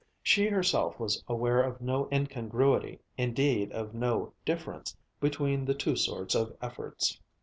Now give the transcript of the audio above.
She herself was aware of no incongruity, indeed of no difference, between the two sorts of efforts.